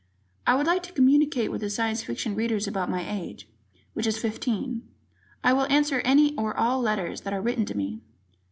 I would like to communicate with Science Fiction Readers of about my age, which is 15. I will answer any or all letters that are written to me.